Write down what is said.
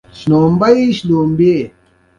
زه فکر کوم چې دا یوه بریالی پروژه ده